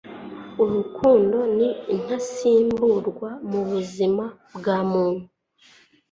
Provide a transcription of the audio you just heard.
Urukundo ni intasimburwa mu buzima bwa muntu